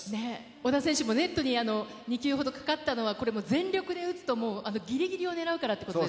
小田選手もネットに２球ほどかかったのは、これもう、全力で打つともう、ぎりぎりを狙うからそうです。